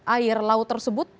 air laut tersebut